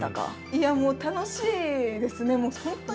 いやもう楽しいですね。